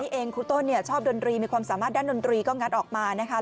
เองครูต้นชอบดนตรีมีความสามารถด้านดนตรีก็งัดออกมานะคะ